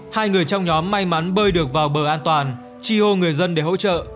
hai người trong nhóm may mắn bơi được vào bờ an toàn chi hô người dân để hỗ trợ